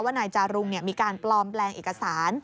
ว่านายจารุงเนี่ยมีการปลอมแปลงเอกสาร